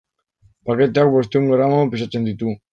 Paketeak bostehun gramo pisatzen ditu.